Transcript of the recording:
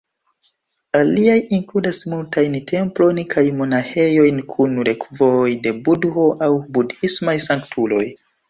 Aliaj inkludas multajn templojn kaj monaĥejojn kun relikvoj de Budho aŭ budhismaj sanktuloj.